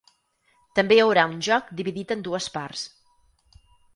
També hi haurà un joc dividit en dues parts.